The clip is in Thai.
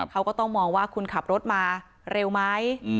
เขาก็ต้องมองว่าคุณขับรถมาเร็วไหม